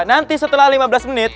nanti setelah lima belas menit